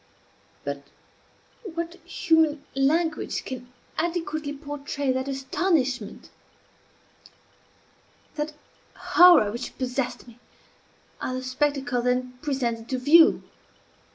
But what human language can adequately portray that astonishment, that horror which possessed me at the spectacle then presented to view?